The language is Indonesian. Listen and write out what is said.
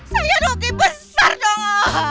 saya rugi besar cong